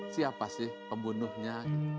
siapa sih pembunuhnya